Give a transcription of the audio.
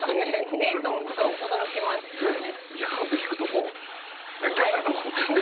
塾なんて聞くともう「勉強するとこ」ってね。